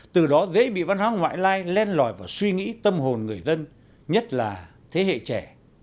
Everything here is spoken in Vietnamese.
từ đó dễ bị văn hóa ngoại lai len lỏi vào suy nghĩ tâm hồn người dân nhất là thế hệ trẻ